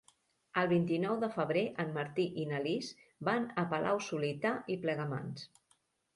El vint-i-nou de febrer en Martí i na Lis van a Palau-solità i Plegamans.